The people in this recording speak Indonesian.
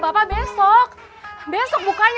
hebat bos idan